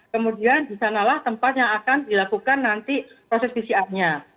kemudian di sanalah tempat yang akan dilakukan nanti proses pcrnya